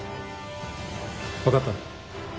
わかった？